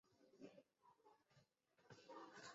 太原金氏是朝鲜民族的姓氏金姓的一个本贯。